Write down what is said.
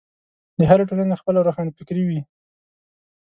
د هرې ټولنې خپله روښانفکري وي.